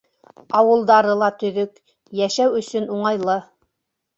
Ауылдары ла төҙөк, йәшәү өсөн уңайлы.